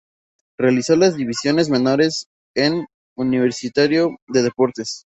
Realizó las divisiones menores en Universitario de Deportes.